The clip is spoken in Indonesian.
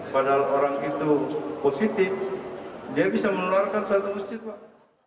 padahal orang itu positif dia bisa mengeluarkan satu masjid pak